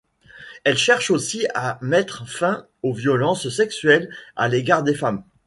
Elle cherche aussi à mettre fin aux violences sexuelles à l'égard des femmes.